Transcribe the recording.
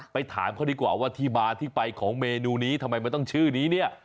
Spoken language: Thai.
ถามเขาดีกว่าว่าที่มาที่ไปของเมนูนี้ทำไมมันต้องชื่อนี้เนี่ย